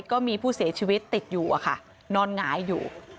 ก็มีผู้เสียชีวิตติดอยู่อะค่ะนอนหงายอยู่